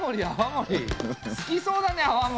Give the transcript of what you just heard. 好きそうだね泡盛。